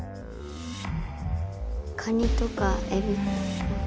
カニとかエビも。